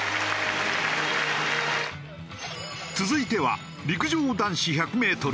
続いては陸上男子１００メートル